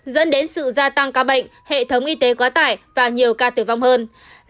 dẫn đến sự gia tăng ca bệnh hệ thống y tế quá tải và nhiều ca tử vong hơn